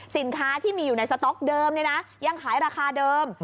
สินค้าที่มีอยู่ในสต๊อกเดิมยังขายราคาเดิม